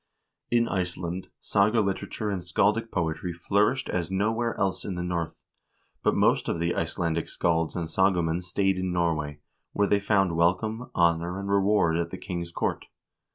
In Iceland saga literature and scaldic poetry flourished as nowhere else in the North, but most of the Icelandic scalds and sagamen stayed in Norway, where they found welcome, honor, and reward at the king's court.